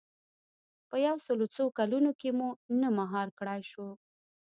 په یو سل او څو کلونو کې مو نه مهار کړای شو.